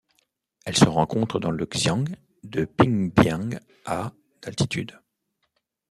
Elle se rencontre dans le Xian de Pingbian à d'altitude.